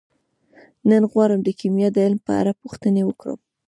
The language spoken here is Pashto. نن غواړم د کیمیا د علم په اړه پوښتنې وکړم.